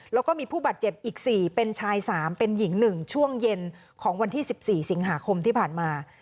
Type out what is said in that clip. แล้วก็มีผู้บัดเจ็บอีกสี่เป็นชายสามเป็นหญิงหนึ่งช่วงเย็นของวันที่สิบสี่สิงหาคมที่ผ่านมา